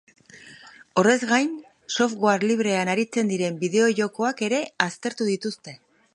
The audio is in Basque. Horrez gain, software librean aritzen diren bideojokoak ere aztertu dituzte.